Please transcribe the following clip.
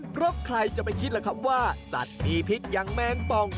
เพราะใครจะไปคิดล่ะครับว่าสัตว์มีพิษอย่างแมงปอง